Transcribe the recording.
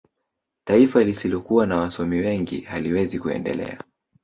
taifa lisilokuwa na wasomi wengi haliwezi kuendelea